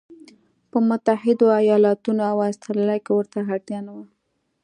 په متحدو ایالتونو او اسټرالیا کې ورته اړتیا نه وه.